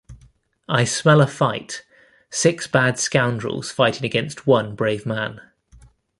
I smell a fight — six bad scoundrels fighting against one brave man.